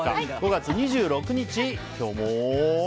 ５月２６日、今日も。